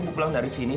aku lihat kan ini